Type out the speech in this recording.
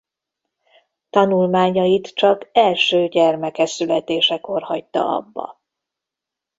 Tanulmányait csak első gyermeke születésekor hagyta abba.